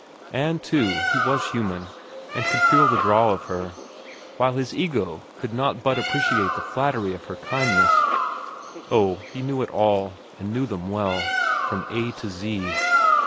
And, too, he was human, and could feel the draw of her, while his ego could not but appreciate the flattery of her kindness. Oh, he knew it all, and knew them well, from A to Z.